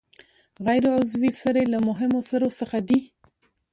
غیر عضوي سرې له مهمو سرو څخه دي.